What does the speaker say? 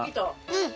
うん。